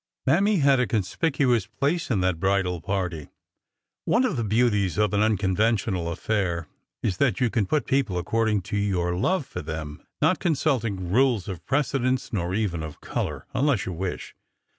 Mammy had a conspicuous place in that bridal party. One of the beauties of an unconventional affair is that you can put people according to your love for them, not consulting rules of precedence nor even of color, unless you wish.